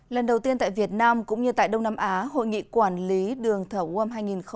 lần đầu tiên tại việt nam cũng như tại đông nam á hội nghị quản lý đường thở uom hai nghìn hai mươi